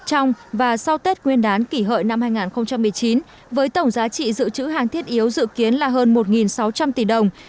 trong và sau tết nguyên đán kỷ hợi năm hai nghìn một mươi chín với tổng giá trị dự trữ hàng thiết yếu dự kiến là hơn một sáu trăm linh tỷ đồng